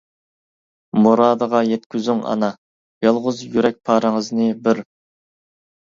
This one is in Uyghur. مۇرادىغا يەتكۈزۈڭ ئانا، يالغۇز يۈرەك پارىڭىزنى بىر.